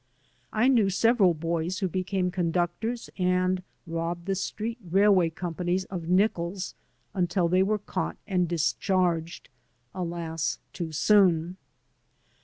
I knew several boys who became conductors and robbed the street railway companies of nickels until they were caught and discharged, alas ! too soon.